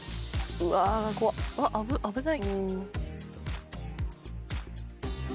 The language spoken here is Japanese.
うわっ危ない。